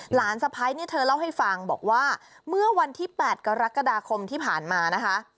สะพ้ายเนี่ยเธอเล่าให้ฟังบอกว่าเมื่อวันที่๘กรกฎาคมที่ผ่านมานะคะ